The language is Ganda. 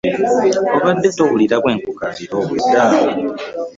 Obadde towulira bwe nkukaabira obwedda?